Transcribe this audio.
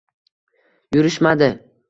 Yurishmadi